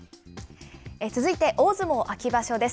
続いて大相撲秋場所です。